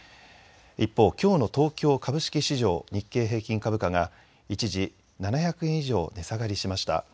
一方、きょうの東京株式市場、日経平均株価が一時、７００円以上値下がりしました。